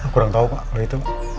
kurang tau pak kalau gitu